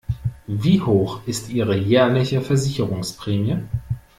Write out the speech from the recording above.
Wie hoch ist ihre jährliche Versicherungsprämie?